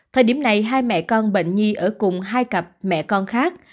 thời điểm này hai mẹ con bệnh nhi ở cùng hai cặp mẹ con khác